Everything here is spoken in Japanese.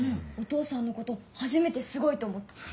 お父さんのことはじめてすごいと思った。